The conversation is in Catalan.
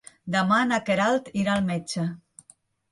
Demà na Queralt irà al metge.